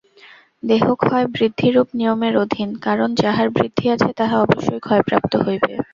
দেহ ক্ষয়-বৃদ্ধিরূপ নিয়মের অধীন, কারণ যাহার বৃদ্ধি আছে, তাহা অবশ্যই ক্ষয়প্রাপ্ত হইবে।